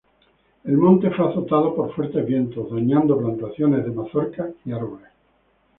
El Monte fue azotado por fuertes vientos, dañando plantaciones de mazorcas y arboles.